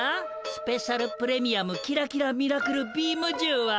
スペシャル・プレミアムキラキラ・ミラクル・ビームじゅうは。